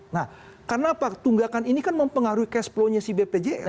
nah karena apa tunggakan ini kan mempengaruhi cash flow nya si bpjs